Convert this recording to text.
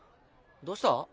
どうした？